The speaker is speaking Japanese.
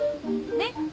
ねっ。